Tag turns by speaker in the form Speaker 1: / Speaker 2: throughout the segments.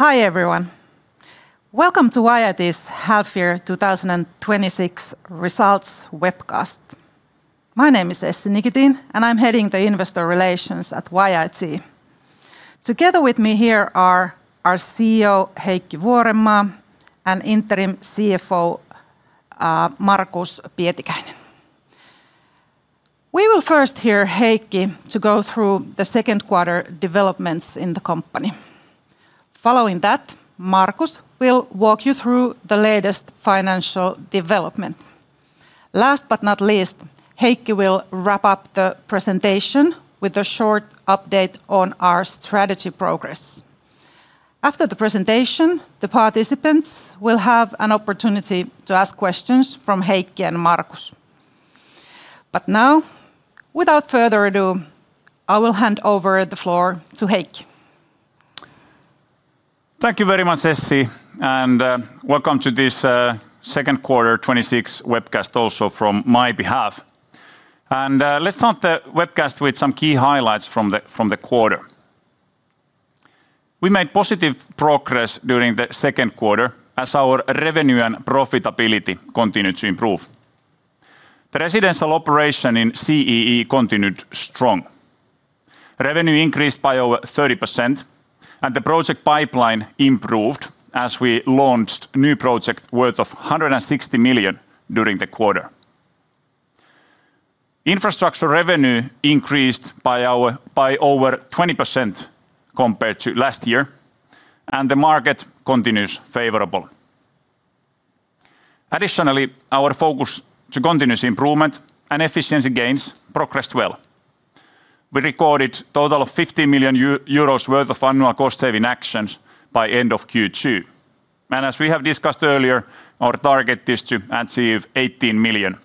Speaker 1: Hi everyone. Welcome to YIT's half year 2026 results webcast. My name is Essi Nikitin and I'm heading the investor relations at YIT. Together with me here are our CEO, Heikki Vuorenmaa, and Interim CFO, Markus Pietikäinen. We will first hear Heikki to go through the second quarter developments in the company. Following that, Markus will walk you through the latest financial development. Last but not least, Heikki will wrap up the presentation with a short update on our strategy progress. After the presentation, the participants will have an opportunity to ask questions from Heikki and Markus. Now, without further ado, I will hand over the floor to Heikki.
Speaker 2: Thank you very much, Essi, and welcome to this second quarter 2026 webcast also from my behalf. Let's start the webcast with some key highlights from the quarter. We made positive progress during the second quarter as our revenue and profitability continued to improve. The Residential CEE operation continued strong. Revenue increased by over 30%, and the project pipeline improved as we launched a new project worth of 160 million during the quarter. Infrastructure revenue increased by over 20% compared to last year, and the market continues favorable. Additionally, our focus on continuous improvement and efficiency gains progressed well. We recorded a total of 50 million euros worth of annual cost-saving actions by end of Q2. As we have discussed earlier, our target is to achieve 18 million,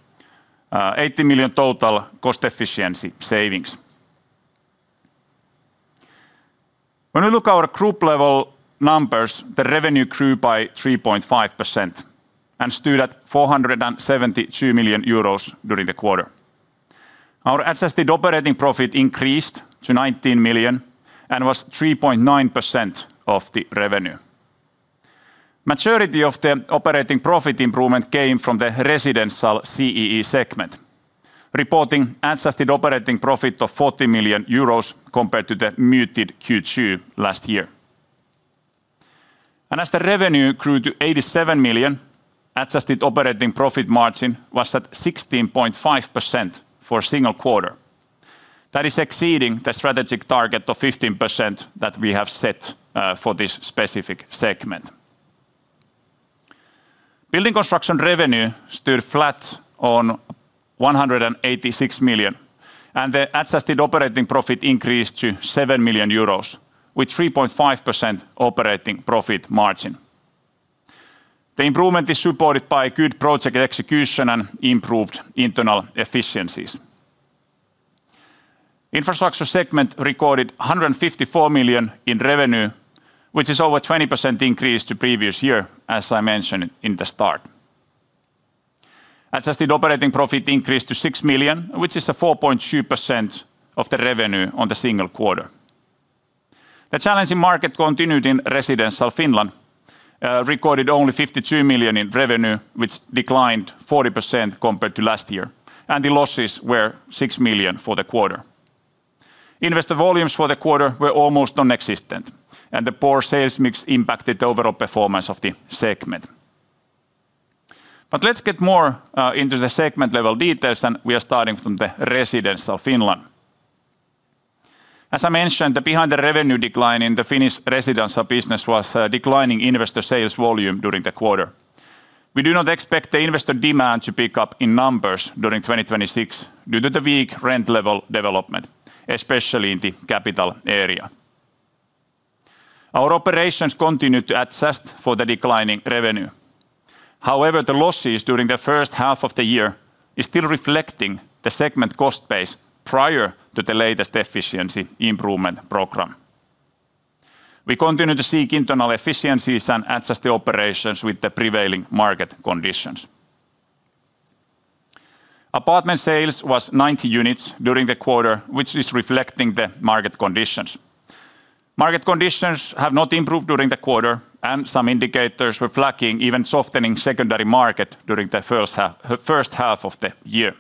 Speaker 2: 18 million total cost efficiency savings. When we look at our group level numbers, the revenue grew by 3.5% and stood at 472 million euros during the quarter. Our adjusted operating profit increased to 19 million and was 3.9% of the revenue. The majority of the operating profit improvement came from the Residential CEE segment, reporting adjusted operating profit of 40 million euros compared to the muted Q2 last year. As the revenue grew to 87 million, adjusted operating profit margin was at 16.5% for a single quarter. That is exceeding the strategic target of 15% that we have set for this specific segment. Building Construction revenue stood flat at 186 million, and the adjusted operating profit increased to 7 million euros with 3.5% operating profit margin. The improvement is supported by good project execution and improved internal efficiencies. Infrastructure segment recorded 154 million in revenue, which is over 20% increase to previous year, as I mentioned at the start. Adjusted operating profit increased to 6 million, which is 4.2% of the revenue in the single quarter. The challenging market continued in Residential Finland, recorded only 52 million in revenue, which declined 40% compared to last year, and the losses were 6 million for the quarter. Investor volumes for the quarter were almost nonexistent, and the poor sales mix impacted the overall performance of the segment. Let's get more into the segment level details, and we are starting from the Residential Finland. As I mentioned, behind the revenue decline in the Finnish residential business was a declining investor sales volume during the quarter. We do not expect the investor demand to pick up in numbers during 2026 due to the weak rent level development, especially in the capital area. Our operations continued to adjust for the declining revenue. However, the losses during the first half of the year is still reflecting the segment cost base prior to the latest efficiency improvement program. We continue to seek internal efficiencies and adjust the operations with the prevailing market conditions. Apartment sales was 90 units during the quarter, which is reflecting the market conditions. Market conditions have not improved during the quarter, and some indicators were flagging, even softening secondary market during the first half of the year.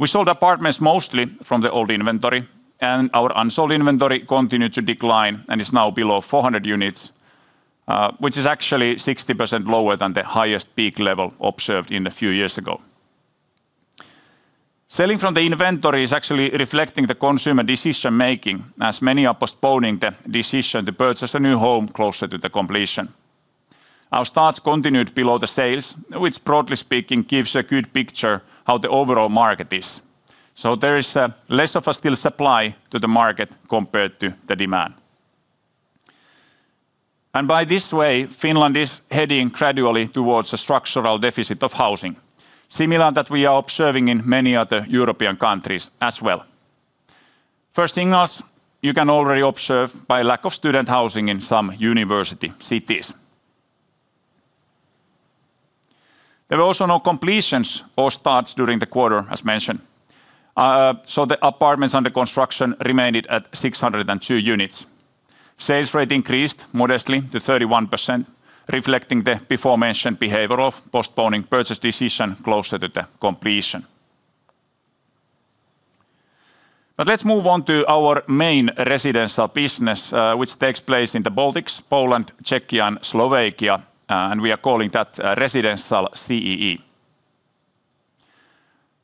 Speaker 2: We sold apartments mostly from the old inventory, and our unsold inventory continued to decline and is now below 400 units, which is actually 60% lower than the highest peak level observed a few years ago. Selling from the inventory is actually reflecting the consumer decision-making, as many are postponing the decision to purchase a new home closer to the completion. Our starts continued below the sales, which broadly speaking, gives a good picture how the overall market is. There is less of a still supply to the market compared to the demand. By this way, Finland is heading gradually towards a structural deficit of housing, similar that we are observing in many other European countries as well. First in us, you can already observe by lack of student housing in some university cities. There were also no completions or starts during the quarter, as mentioned. The apartments under construction remained at 602 units. Sales rate increased modestly to 31%, reflecting the before-mentioned behavior of postponing purchase decision closer to the completion. Let's move on to our main residential business, which takes place in the Baltics, Poland, Czechia, and Slovakia, and we are calling that Residential CEE.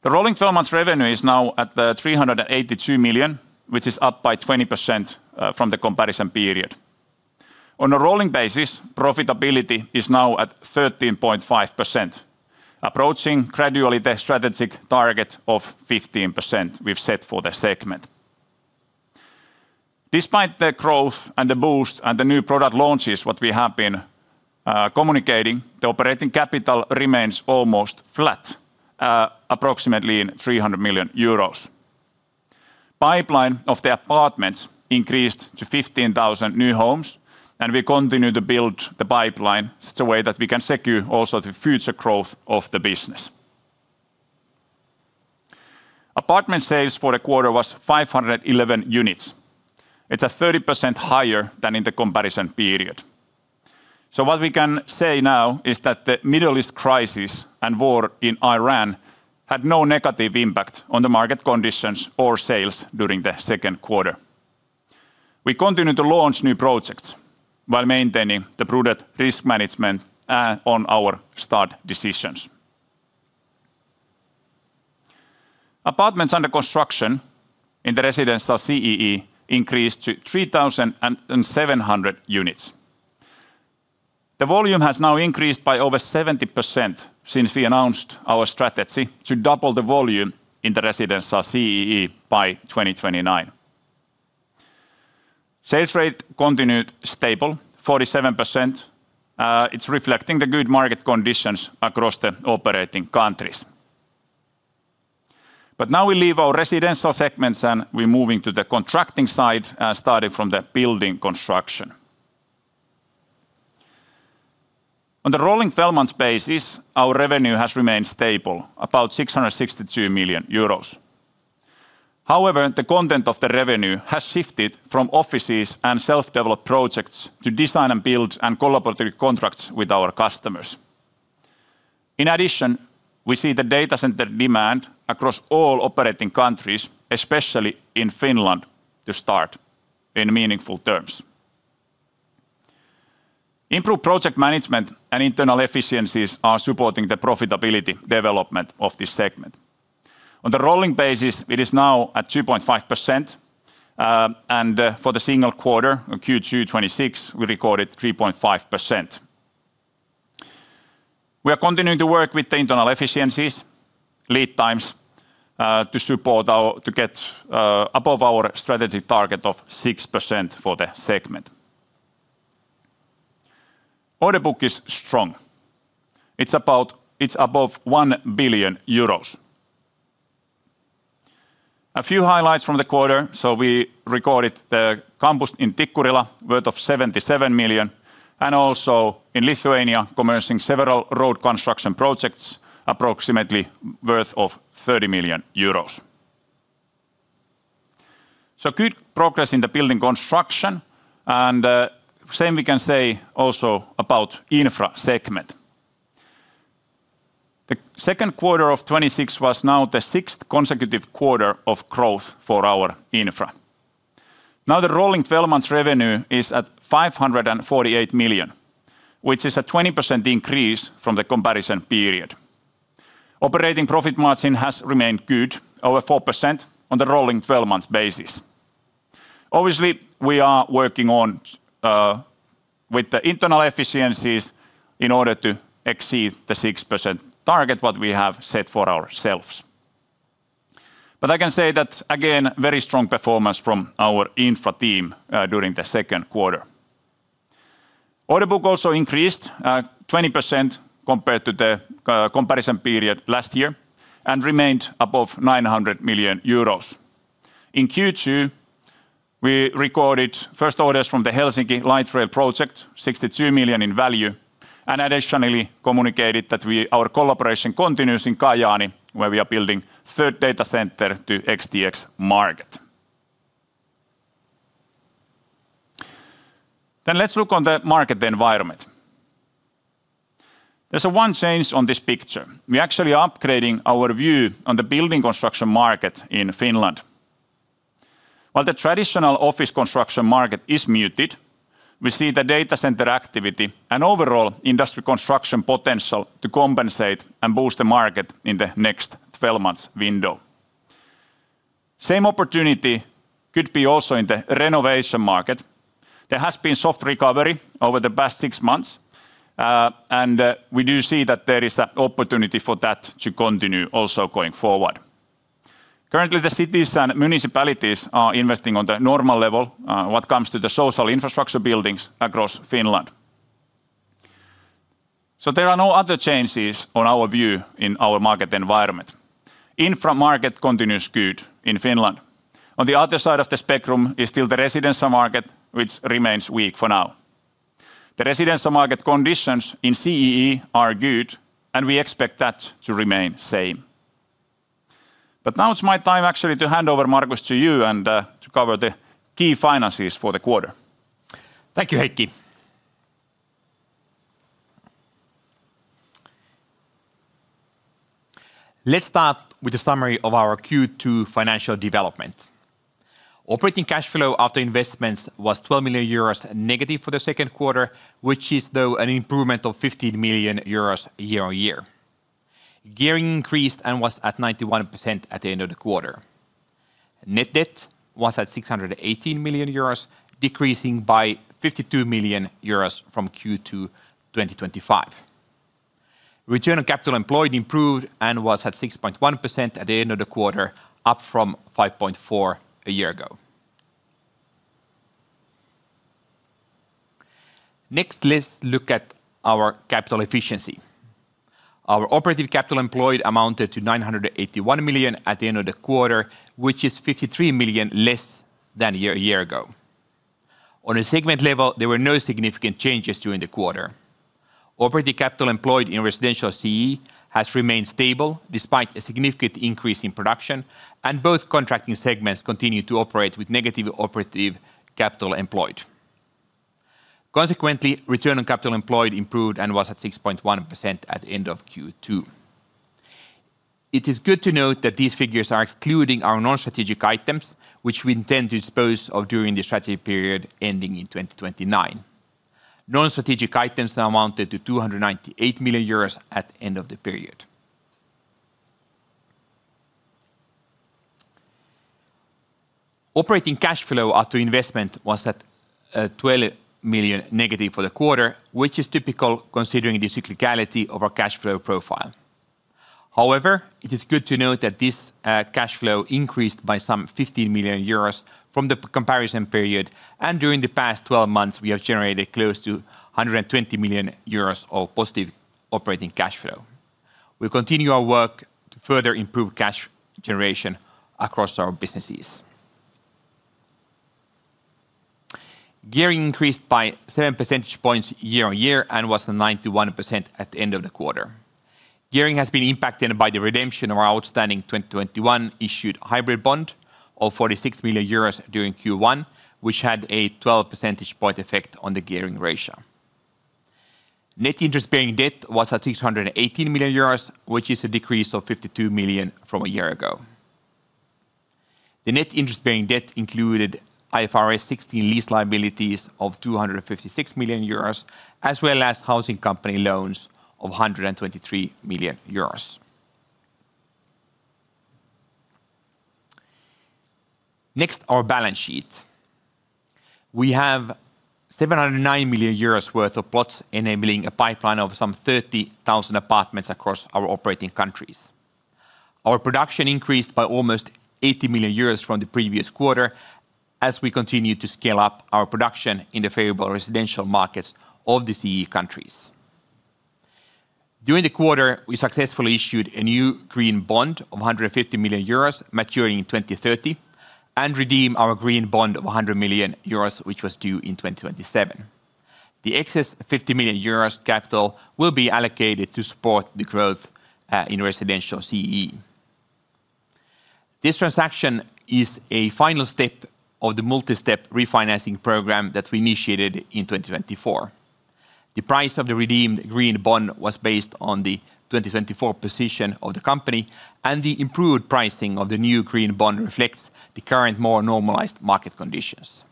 Speaker 2: The rolling 12 months revenue is now at 382 million, which is up by 20% from the comparison period. On a rolling basis, profitability is now at 13.5%, approaching gradually the strategic target of 15% we've set for the segment. Despite the growth and the boost and the new product launches, what we have been communicating, the operating capital remains almost flat, approximately 300 million euros. Pipeline of the apartments increased to 15,000 new homes, and we continue to build the pipeline so the way that we can secure also the future growth of the business. Apartment sales for the quarter was 511 units. It's at 30% higher than in the comparison period. What we can say now is that the Middle East crisis and war in Iran had no negative impact on the market conditions or sales during the second quarter. We continue to launch new projects while maintaining the prudent risk management on our start decisions. Apartments under construction in the Residential CEE increased to 3,700 units. The volume has now increased by over 70% since we announced our strategy to double the volume in the Residential CEE by 2029. Sales rate continued stable, 47%. It's reflecting the good market conditions across the operating countries. Now we leave our residential segments, and we're moving to the contracting side and starting from the Building Construction. On the rolling 12 months basis, our revenue has remained stable, about 662 million euros. The content of the revenue has shifted from offices and self-developed projects to design and build and collaborative contracts with our customers. In addition, we see the data center demand across all operating countries, especially in Finland, to start in meaningful terms. Improved project management and internal efficiencies are supporting the profitability development of this segment. On the rolling basis, it is now at 2.5%, and for the single quarter, Q2 2026, we recorded 3.5%. We are continuing to work with the internal efficiencies, lead times, to support our to get above our strategy target of 6% for the segment. Order book is strong. It is above EUR 1 billion. A few highlights from the quarter. We recorded the campus in Tikkurila, worth of 77 million, and also in Lithuania, commencing several road construction projects approximately worth of 30 million euros. Good progress in the Building Construction, and same we can say also about Infrastructure segment. The second quarter of 2026 was now the sixth consecutive quarter of growth for our Infrastructure. Now the rolling 12 months revenue is at 548 million, which is a 20% increase from the comparison period. Operating profit margin has remained good, over 4% on the rolling 12 months basis. Obviously, we are working on with the internal efficiencies in order to exceed the 6% target, what we have set for ourselves. I can say that, again, very strong performance from our Infrastructure team during the second quarter. Order book also increased 20% compared to the comparison period last year and remained above 900 million euros. In Q2, we recorded first orders from the Helsinki Light Rail project, 62 million in value, and additionally communicated that our collaboration continues in Kajaani, where we are building third data center to XTX Markets. Let's look on the market environment. There is one change on this picture. We actually upgrading our view on the Building Construction market in Finland. While the traditional office construction market is muted, we see the data center activity and overall industry construction potential to compensate and boost the market in the next 12 months window. Same opportunity could be also in the renovation market. There has been soft recovery over the past six months. We do see that there is an opportunity for that to continue also going forward. Currently, the cities and municipalities are investing on the normal level when it comes to the social infrastructure buildings across Finland. There are no other changes on our view in our market environment. Infrastructure market continues good in Finland. On the other side of the spectrum is still the Residential market, which remains weak for now. The Residential market conditions in CEE are good, and we expect that to remain same. Now it is my time actually to hand over, Markus, to you, and to cover the key finances for the quarter.
Speaker 3: Thank you, Heikki. Let's start with a summary of our Q2 financial development. Operating cash flow after investments was -12 million euros for the second quarter, which is, though, an improvement of 15 million euros year-on-year. Gearing increased and was at 91% at the end of the quarter. Net debt was at 618 million euros, decreasing by 52 million euros from Q2 2025. Return on capital employed improved and was at 6.1% at the end of the quarter, up from 5.4% a year ago. Next, let's look at our capital efficiency. Our operative capital employed amounted to 981 million at the end of the quarter, which is 53 million less than a year ago. On a segment level, there were no significant changes during the quarter. Operating capital employed in Residential CEE has remained stable despite a significant increase in production, and both contracting segments continue to operate with negative operative capital employed. Consequently, Return on capital employed improved and was at 6.1% at the end of Q2. It is good to note that these figures are excluding our non-strategic items, which we intend to dispose of during the strategy period ending in 2029. Non-strategic items now amounted to 298 million euros at the end of the period. Operating cash flow after investment was at -12 million for the quarter, which is typical considering the cyclicality of our cash flow profile. However, it is good to note that this cash flow increased by some 15 million euros from the comparison period, and during the past 12 months, we have generated close to 120 million euros of positive operating cash flow. We continue our work to further improve cash generation across our businesses. Gearing increased by 7 percentage points year-on-year and was at 91% at the end of the quarter. Gearing has been impacted by the redemption of our outstanding 2021 issued hybrid bond of 46 million euros during Q1, which had a 12 percentage point effect on the gearing ratio. Net interest-bearing debt was at 618 million euros, which is a decrease of 52 million from a year ago. The net interest-bearing debt included IFRS 16 lease liabilities of 256 million euros, as well as housing company loans of 123 million euros. Next, our balance sheet. We have 709 million euros worth of plots enabling a pipeline of some 30,000 apartments across our operating countries. Our production increased by almost 80 million euros from the previous quarter as we continued to scale up our production in the favorable residential markets of the CEE countries. During the quarter, we successfully issued a new green bond of 150 million euros maturing in 2030 and redeemed our green bond of 100 million euros, which was due in 2027. The excess 50 million euros capital will be allocated to support the growth in Residential CEE. This transaction is a final step of the multi-step refinancing program that we initiated in 2024. The price of the redeemed green bond was based on the 2024 position of the company, and the improved pricing of the new green bond reflects the current, more normalized market conditions.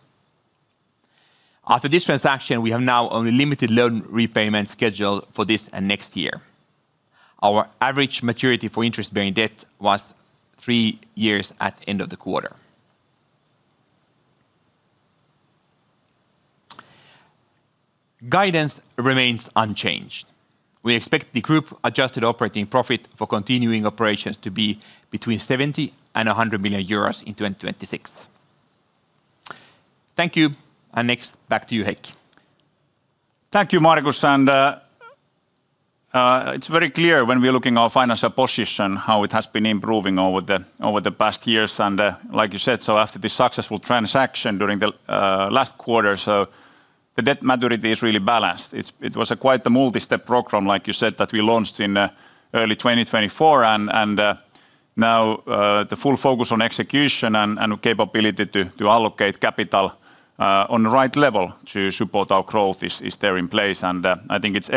Speaker 3: After this transaction, we have now only limited loan repayments scheduled for this and next year. Our average maturity for interest-bearing debt was three years at the end of the quarter. Guidance remains unchanged. We expect the group adjusted operating profit for continuing operations to be between 70 million and 100 million euros in 2026. Thank you. Next, back to you, Heikki.
Speaker 2: Thank you, Markus. It's very clear when we're looking our financial position, how it has been improving over the past years. Like you said, after this successful transaction during the last quarter, the debt maturity is really balanced. It was quite a multi-step program, like you said, that we launched in early 2024. Now the full focus on execution and capability to allocate capital on the right level to support our growth is there in place. I think it's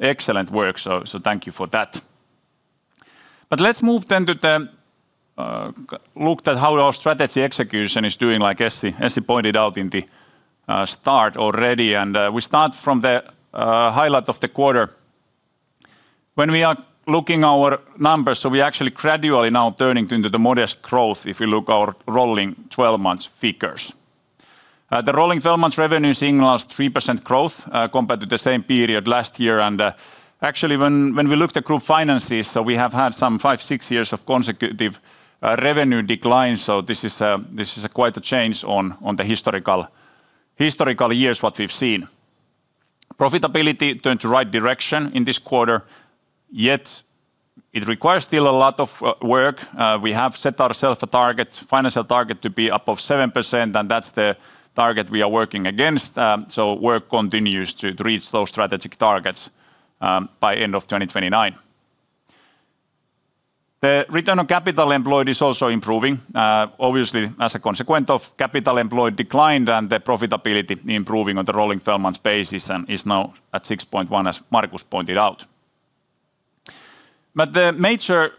Speaker 2: excellent work. Thank you for that. Let's move then to look at how our strategy execution is doing, like Essi pointed out in the start already. We start from the highlight of the quarter. When we are looking our numbers, we actually gradually now turning into the modest growth if you look our rolling 12 months figures. The rolling 12 months revenue signals 3% growth compared to the same period last year. Actually when we looked at group finances, we have had some five, six years of consecutive revenue decline. This is quite a change on the historical years, what we've seen. Profitability turned to right direction in this quarter, yet it requires still a lot of work. We have set ourself a financial target to be above 7%, and that's the target we are working against. Work continues to reach those strategic targets by end of 2029. The return on capital employed is also improving. Obviously, as a consequence of capital employed declined and the profitability improving on the rolling three months basis and is now at 6.1%, as Markus pointed out. The major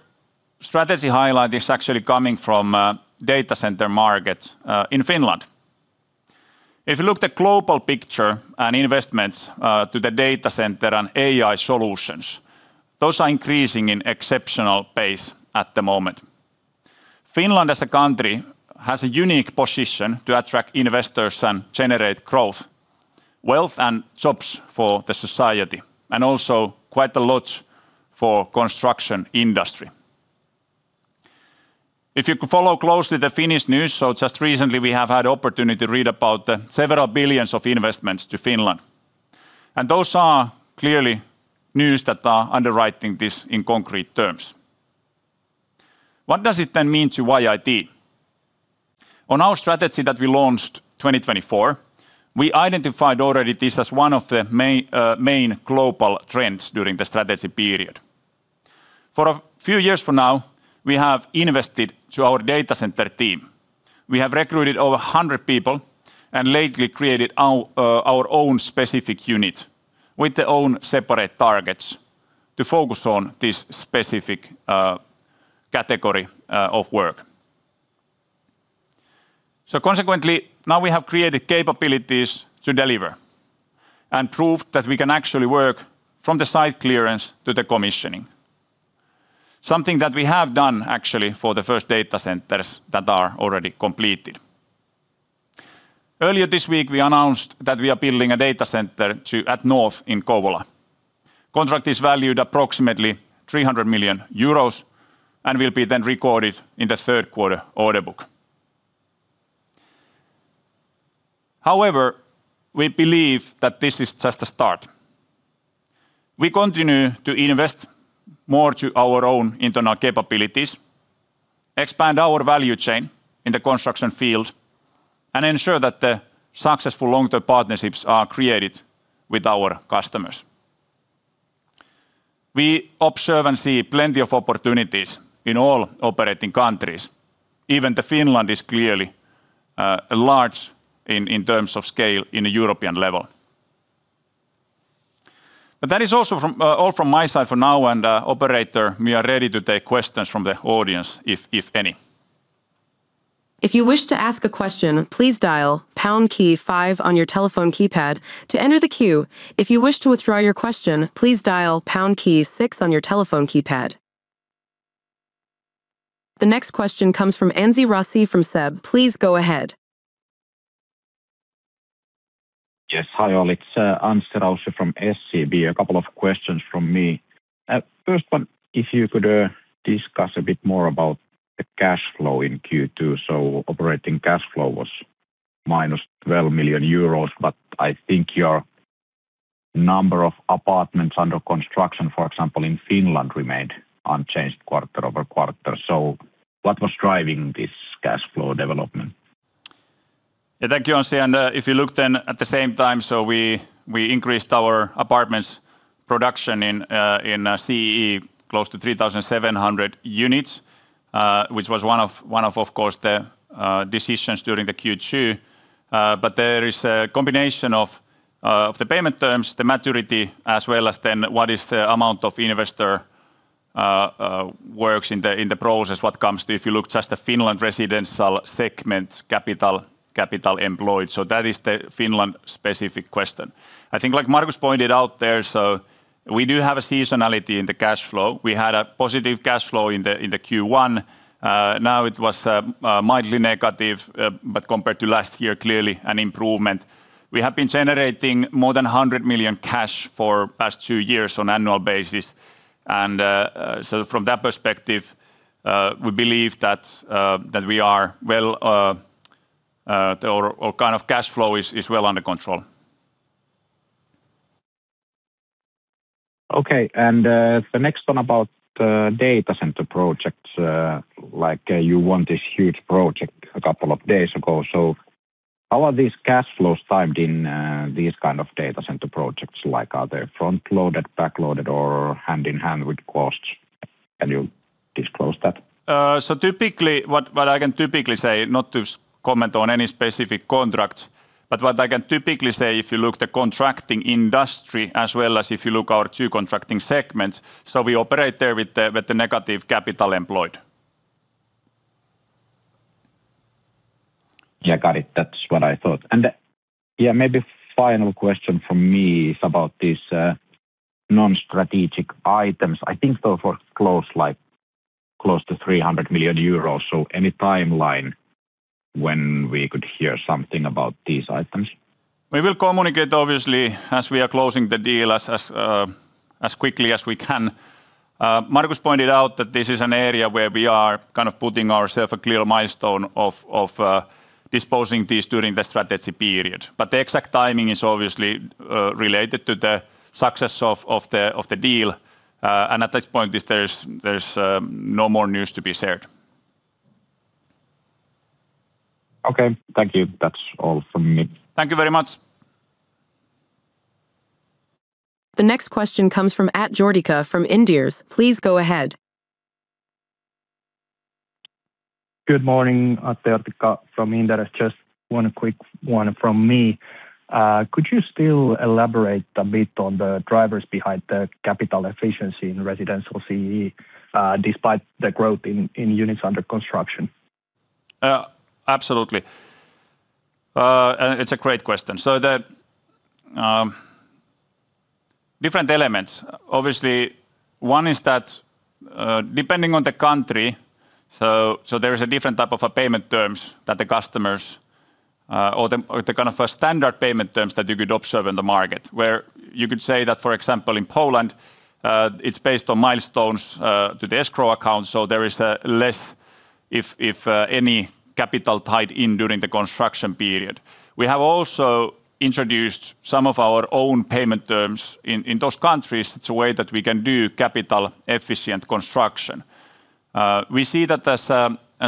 Speaker 2: strategy highlight is actually coming from data center market in Finland. If you look the global picture and investments to the data center and AI solutions, those are increasing in exceptional pace at the moment. Finland, as a country, has a unique position to attract investors and generate growth, wealth, and jobs for the society, and also quite a lot for construction industry. If you follow closely the Finnish news, just recently we have had opportunity to read about the several billions of investments to Finland. Those are clearly news that are underwriting this in concrete terms. What does it then mean to YIT? On our strategy that we launched 2024, we identified already this as one of the main global trends during the strategy period. For a few years from now, we have invested to our data center team. We have recruited over 100 people and lately created our own specific unit with their own separate targets to focus on this specific category of work. Consequently, now we have created capabilities to deliver and prove that we can actually work from the site clearance to the commissioning. Something that we have done actually for the first data centers that are already completed. Earlier this week, we announced that we are building a data center atNorth in Kouvola. Contract is valued approximately 300 million euros and will be then recorded in the third quarter order book. We believe that this is just a start. We continue to invest more to our own internal capabilities, expand our value chain in the construction field, and ensure that the successful long-term partnerships are created with our customers. We observe and see plenty of opportunities in all operating countries. Even the Finland is clearly large in terms of scale in a European level. That is all from my side for now and operator, we are ready to take questions from the audience, if any.
Speaker 4: If you wish to ask a question, please dial pound key five on your telephone keypad to enter the queue. If you wish to withdraw your question, please dial pound key six on your telephone keypad. The next question comes from Anssi Raussi from SEB. Please go ahead.
Speaker 5: Yes. Hi, all. It's Anssi Raussi from SEB. A couple of questions from me. First one, if you could discuss a bit more about the cash flow in Q2. Operating cash flow was -12 million euros, but I think your number of apartments under construction, for example, in Finland remained unchanged quarter-over-quarter. What was driving this cash flow development?
Speaker 2: Yeah, thank you, Anssi. If you look then at the same time, we increased our apartments production in CEE close to 3,700 units, which was one of course, the decisions during the Q2. There is a combination of the payment terms, the maturity, as well as then what is the amount of investor works in the process, what comes to if you look just the Finland residential segment capital employed. That is the Finland specific question. I think like Markus pointed out there, we do have a seasonality in the cash flow. We had a positive cash flow in the Q1. Now it was mildly negative. Compared to last year, clearly an improvement. We have been generating more than 100 million cash for past two years on annual basis. From that perspective, we believe that our cash flow is well under control.
Speaker 5: Okay, the next one about data center projects. You won this huge project a couple of days ago. How are these cash flows timed in these kind of data center projects? Are they front-loaded, back-loaded, or hand in hand with costs? Can you disclose that?
Speaker 2: What I can typically say, not to comment on any specific contracts, but what I can typically say if you look the contracting industry as well as if you look our two contracting segments, we operate there with the negative capital employed.
Speaker 5: Yeah, got it. That's what I thought. Yeah, maybe final question from me is about these non-strategic items. I think those were close to 300 million euros, any timeline when we could hear something about these items?
Speaker 2: We will communicate, obviously, as we are closing the deal as quickly as we can Markus pointed out that this is an area where we are putting ourself a clear milestone of disposing these during the strategy period. The exact timing is obviously related to the success of the deal. At this point, there's no more news to be shared.
Speaker 5: Okay. Thank you. That's all from me.
Speaker 2: Thank you very much.
Speaker 4: The next question comes from Atte Jortikka from Inderes. Please go ahead.
Speaker 6: Good morning. Atte Jortikka from Inderes. Just one quick one from me. Could you still elaborate a bit on the drivers behind the capital efficiency in Residential CEE, despite the growth in units under construction?
Speaker 2: Absolutely. It's a great question. The different elements, obviously one is that, depending on the country, there is a different type of a payment terms that the customers or the kind of standard payment terms that you could observe in the market. Where you could say that, for example, in Poland, it's based on milestones to the escrow account, there is less, if any, capital tied in during the construction period. We have also introduced some of our own payment terms in those countries. It's a way that we can do capital efficient construction. We see that as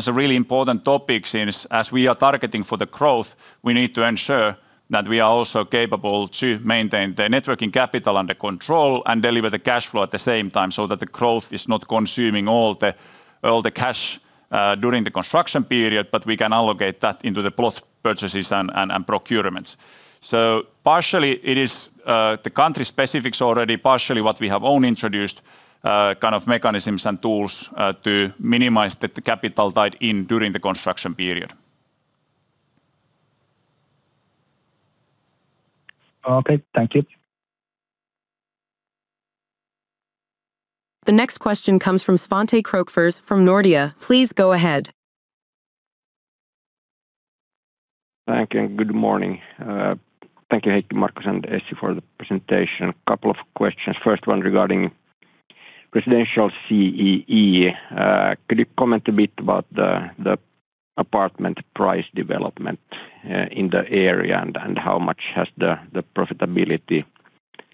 Speaker 2: a really important topic since, as we are targeting for the growth, we need to ensure that we are also capable to maintain the networking capital under control and deliver the cash flow at the same time, that the growth is not consuming all the cash during the construction period. We can allocate that into the plot purchases and procurements. Partially it is the country specifics already, partially what we have own introduced, kind of mechanisms and tools to minimize the capital tied in during the construction period.
Speaker 6: Okay. Thank you.
Speaker 4: The next question comes from Svante Krokfors from Nordea. Please go ahead.
Speaker 7: Thank you. Good morning. Thank you, Heikki, Markus, and Essi for the presentation. A couple of questions. First one regarding Residential CEE. Could you comment a bit about the apartment price development in the area, and how much has the profitability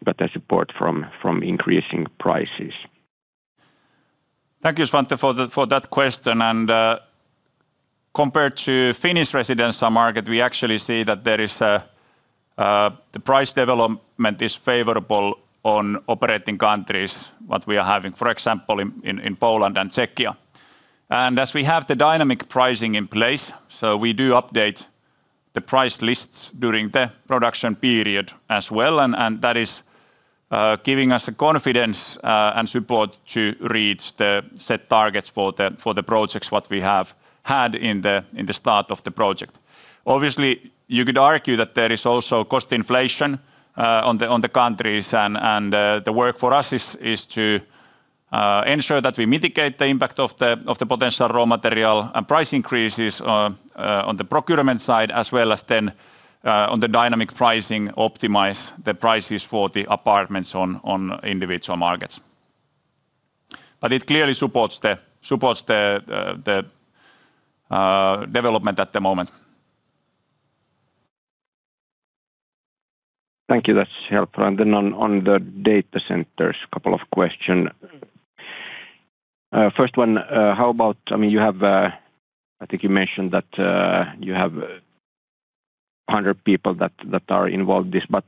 Speaker 7: got a support from increasing prices?
Speaker 2: Thank you, Svante, for that question. Compared to Finnish residential market, we actually see that the price development is favorable on operating countries that we are having, for example, in Poland and Czechia. As we have the dynamic pricing in place, we do update the price lists during the production period as well. That is giving us confidence and support to reach the set targets for the projects what we have had in the start of the project. Obviously, you could argue that there is also cost inflation on the countries. The work for us is to ensure that we mitigate the impact of the potential raw material and price increases on the procurement side as well as then on the dynamic pricing, optimize the prices for the apartments on individual markets. It clearly supports the development at the moment.
Speaker 7: Thank you. That is helpful. On the data centers, couple of questions. I think you mentioned that you have 100 people that are involved in this.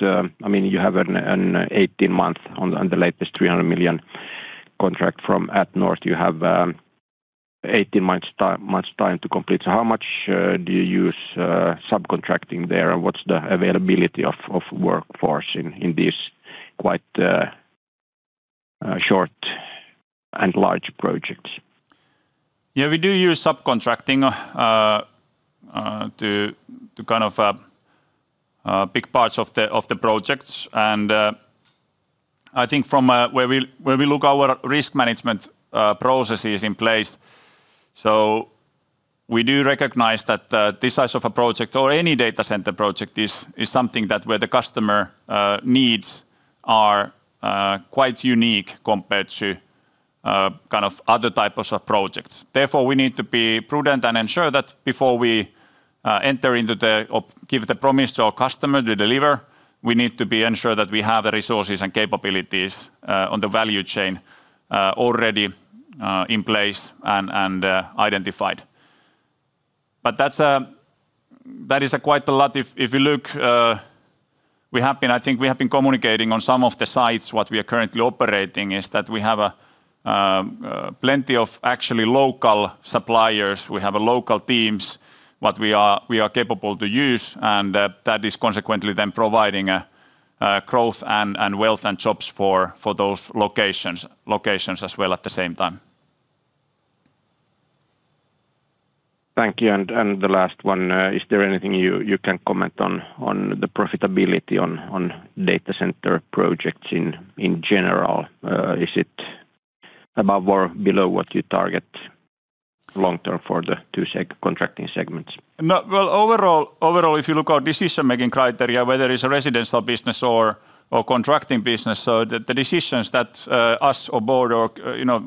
Speaker 7: You have an 18-month on the latest 300 million contract from atNorth. You have 18 months time to complete. How much do you use subcontracting there? What is the availability of workforce in these quite short and large projects?
Speaker 2: We do use subcontracting to kind of big parts of the projects. I think from where we look our risk management processes in place. We do recognize that this size of a project or any data center project is something that where the customer needs are quite unique compared to other types of projects. Therefore, we need to be prudent and ensure that before we enter into or give the promise to our customer to deliver, we need to be ensured that we have the resources and capabilities on the value chain already in place and identified. That is quite a lot. I think we have been communicating on some of the sites what we are currently operating, is that we have plenty of actually local suppliers. We have local teams what we are capable to use. That is consequently then providing growth and wealth and jobs for those locations as well at the same time.
Speaker 7: Thank you. The last one, is there anything you can comment on the profitability on data center projects in general? Is it above or below what you target? Long term for the two contracting segments.
Speaker 2: No. Well, overall, if you look our decision-making criteria, whether it's a residential business or contracting business, the decisions that us or Board, or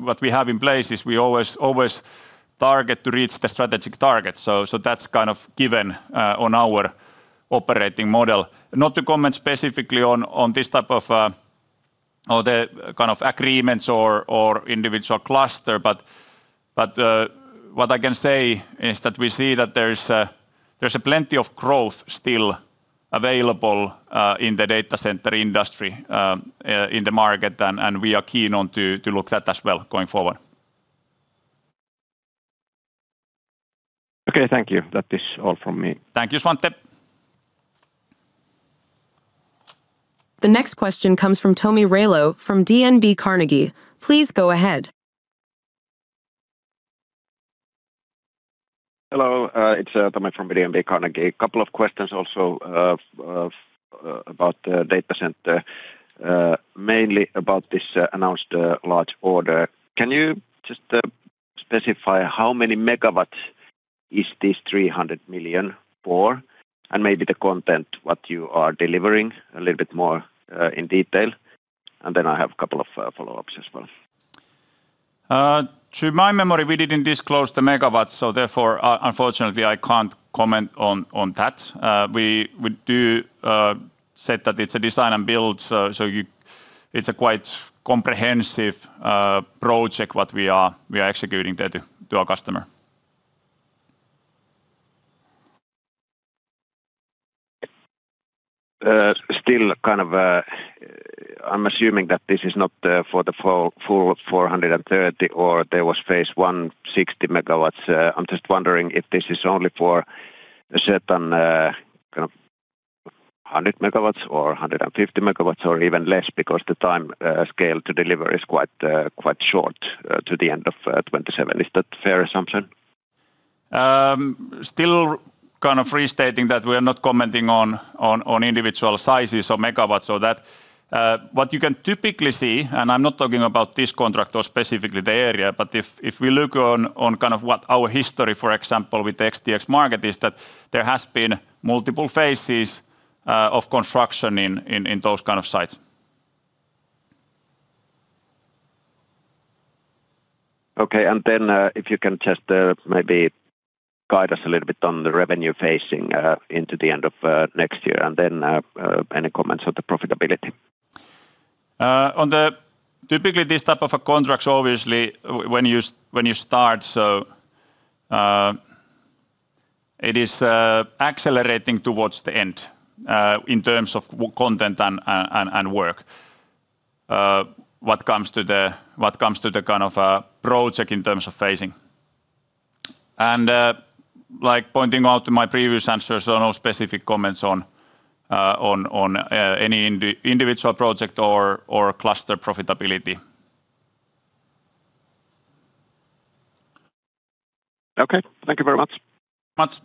Speaker 2: what we have in place is we always target to reach the strategic target. That's kind of given on our operating model. Not to comment specifically on this type of the kind of agreements or individual cluster, but what I can say is that we see that there's plenty of growth still available in the data center industry, in the market, and we are keen on to look that as well going forward.
Speaker 7: Okay, thank you. That is all from me.
Speaker 2: Thank you, Svante.
Speaker 4: The next question comes from Tomi Railo from DNB Carnegie. Please go ahead.
Speaker 8: Hello. It's Tomi from DNB Carnegie. A couple of questions also about the data center, mainly about this announced large order. Can you just specify how many megawatts is this 300 million for? Maybe the content, what you are delivering, a little bit more in detail. I have couple of follow-ups as well.
Speaker 2: To my memory, we didn't disclose the megawatts. Therefore, unfortunately, I can't comment on that. We do said that it's a design and build, it's a quite comprehensive project what we are executing there to our customer.
Speaker 8: Still kind of, I'm assuming that this is not for the full 430 MW or there was phase I 60 MW. I'm just wondering if this is only for a certain kind of 100 MW or 150 MW or even less, because the timescale to deliver is quite short to the end of 2027. Is that fair assumption?
Speaker 2: Still kind of restating that we are not commenting on individual sizes or megawatts or that. What you can typically see, and I'm not talking about this contract or specifically the area, but if we look on kind of what our history, for example, with the XTX Markets, is that there has been multiple phases of construction in those kind of sites.
Speaker 8: Okay. If you can just maybe guide us a little bit on the revenue phasing into the end of next year. Any comments on the profitability?
Speaker 2: Typically, this type of a contract, obviously, when you start, it is accelerating towards the end, in terms of content and work, what comes to the kind of project in terms of phasing. Like pointing out to my previous answers, no specific comments on any individual project or cluster profitability.
Speaker 8: Okay. Thank you very much.
Speaker 2: Thanks.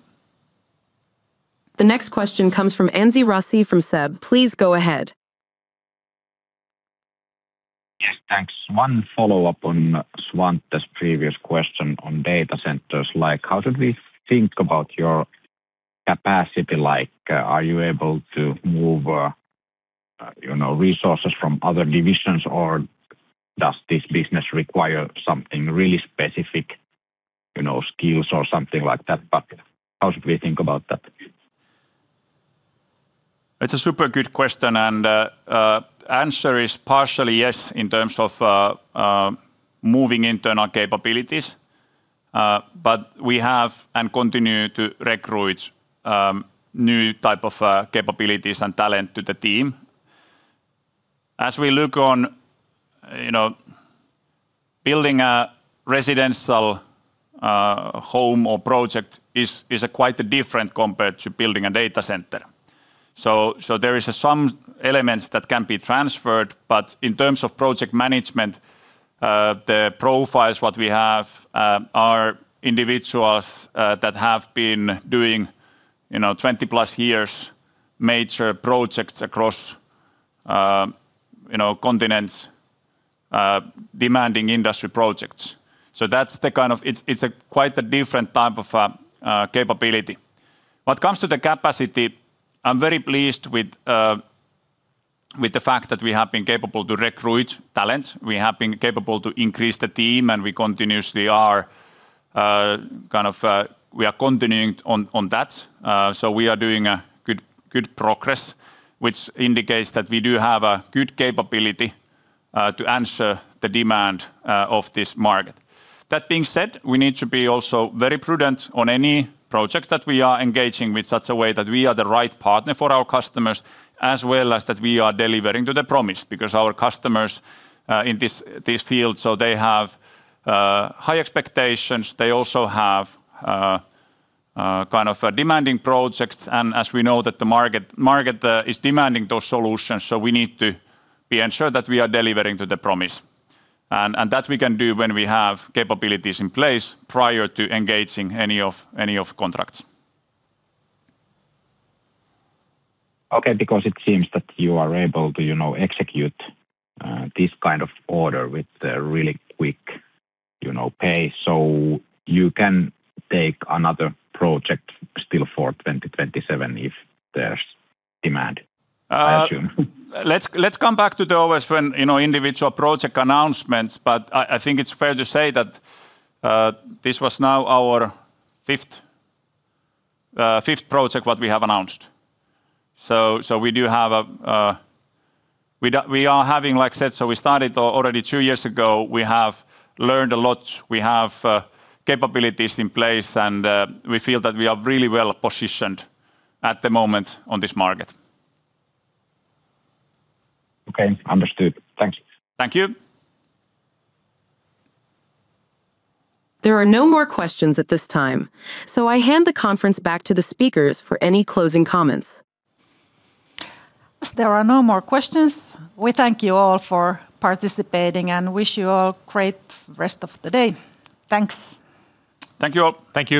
Speaker 4: The next question comes from Anssi Raussi from SEB. Please go ahead.
Speaker 5: Yes, thanks. One follow-up on Svante's previous question on data centers. Like how did we think about your capacity? Like are you able to move resources from other divisions, or does this business require something really specific skills or something like that? How should we think about that?
Speaker 2: It's a super good question, answer is partially yes in terms of moving internal capabilities. We have and continue to recruit new type of capabilities and talent to the team. As we look on building a residential home or project is quite different compared to building a data center. There is some elements that can be transferred, but in terms of project management, the profiles what we have are individuals that have been doing 20+ years major projects across continents, demanding industry projects. It's quite a different type of capability. What comes to the capacity, I'm very pleased with the fact that we have been capable to recruit talent. We have been capable to increase the team, and we continuously are continuing on that. We are doing a good progress, which indicates that we do have a good capability to answer the demand of this market. That being said, we need to be also very prudent on any projects that we are engaging with such a way that we are the right partner for our customers, as well as that we are delivering to the promise. Our customers in this field, they have high expectations. They also have kind of demanding projects. As we know that the market is demanding those solutions, we need to be ensure that we are delivering to the promise. That we can do when we have capabilities in place prior to engaging any of contracts.
Speaker 5: Because it seems that you are able to execute this kind of order with a really quick pay. You can take another project still for 2027 if there's demand, I assume.
Speaker 2: Let's come back to the always when individual project announcements, but I think it's fair to say that this was now our fifth project what we have announced. We do have. We are having, like I said, so we started already two years ago. We have learned a lot. We have capabilities in place, and we feel that we are really well-positioned at the moment on this market.
Speaker 5: Okay. Understood. Thanks.
Speaker 2: Thank you.
Speaker 4: There are no more questions at this time, so I hand the conference back to the speakers for any closing comments.
Speaker 1: There are no more questions. We thank you all for participating and wish you all great rest of the day. Thanks.
Speaker 2: Thank you all.
Speaker 3: Thank you.